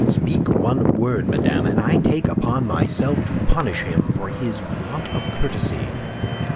Speak one word, madame, and I take upon myself to punish him for his want of courtesy."